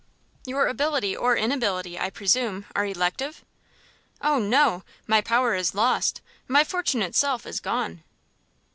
"Your ability or inability, I presume, are elective?" "Oh no! my power is lost my fortune itself is gone!"